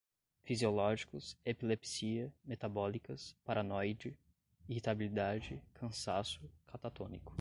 fisiológicos, epilepsia, metabólicas, paranoide, irritabilidade, cansaço, catatônico